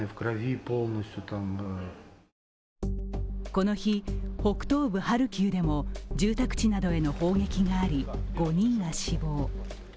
この日、北東部ハルキウでも住宅地などへの砲撃があり５人が死亡。